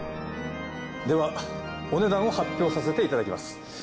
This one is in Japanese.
ではお値段を発表させていただきます。